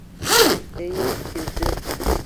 Эйе, икенсе!